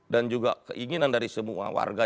dan juga keinginan dari semua warga